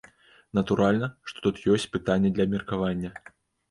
Натуральна, што тут ёсць пытанне для абмеркавання.